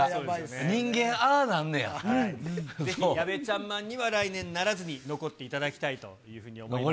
人間、ヤベチャンマンには来年ならずに、残っていただきたいというふうに思います。